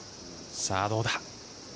さぁどうだ？